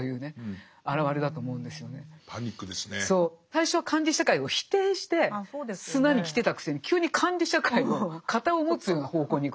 最初は管理社会を否定して砂に来てたくせに急に管理社会の肩を持つような方向に行くわけですよ。